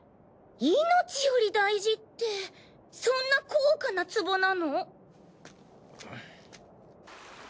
命より大事ってそんな高価なツボなの？